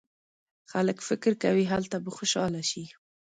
خلک فکر کوي هلته به خوشاله شي.